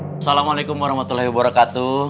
assalamualaikum warahmatullahi wabarakatuh